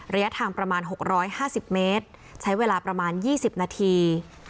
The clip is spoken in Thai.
ระยะทางประมาณหกร้อยห้าสิบเมตรใช้เวลาประมาณยี่สิบนาที